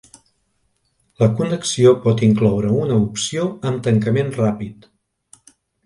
La connexió pot incloure una opció amb tancament ràpid.